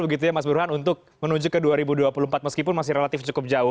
begitu ya mas burhan untuk menuju ke dua ribu dua puluh empat meskipun masih relatif cukup jauh